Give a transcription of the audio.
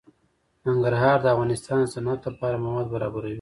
ننګرهار د افغانستان د صنعت لپاره مواد برابروي.